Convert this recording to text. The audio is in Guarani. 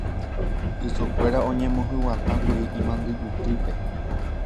Ysokuéra oñemohyg̃uatãkuri imandyjutýpe.